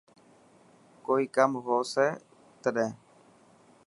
ڪوئي ڪم هو سي تٽهن.